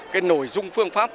cái nội dung phương pháp